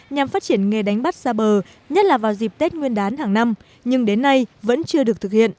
nhằm phát triển nghề đánh bắt xa bờ nhất là vào dịp tết nguyên đán hàng năm nhưng đến nay vẫn chưa được thực hiện